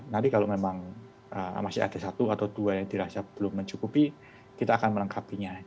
nanti kalau memang masih ada satu atau dua yang dirasa belum mencukupi kita akan melengkapinya